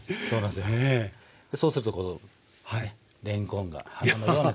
でそうするとこのれんこんが花のような形になると。